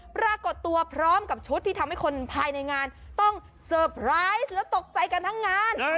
ปรากฏตัวพร้อมกับชุดที่ทำให้คนภายในงานต้องเซอร์ไพรส์แล้วตกใจกันทั้งงาน